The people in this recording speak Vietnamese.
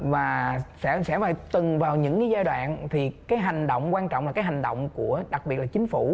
và sẽ phải từng vào những cái giai đoạn thì cái hành động quan trọng là cái hành động của đặc biệt là chính phủ